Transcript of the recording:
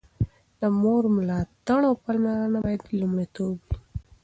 د مور ملاتړ او پاملرنه باید لومړیتوب وي.